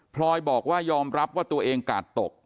พลอยบอกว่ายอมรับว่าตัวเองกาดตก